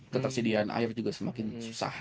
ketersediaan air juga semakin susah